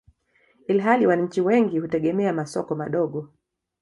ilhali wananchi wengi hutegemea masoko madogo.